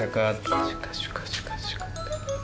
シュカシュカシュカシュカ。